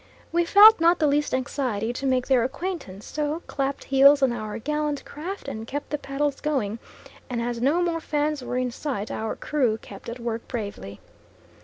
We felt not the least anxiety to make their acquaintance, so clapped heels on our gallant craft and kept the paddles going, and as no more Fans were in sight our crew kept at work bravely.